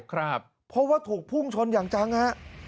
เพราะว่าถูกพุ่งชนอย่างจังฮะ